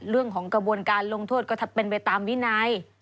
เรื่องของกระบวนการลงโทษก็ทำเป็นไปตามวินัย